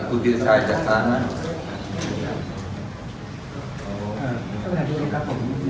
คุณผู้ชายจะค้างไหม